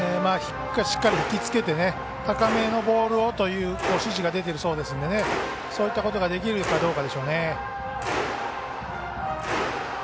しっかり引き付けて高めのボールをという指示が出ているそうなのでそういったことができるかどうかですね。